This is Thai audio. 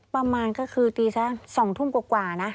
ประมาณก็คือตีสัก๒ทุ่มกว่านะ